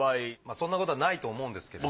そんなことはないと思うんですけれど。